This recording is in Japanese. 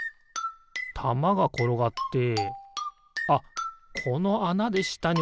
たまがころがってあっこのあなでしたにおちるんじゃないかな？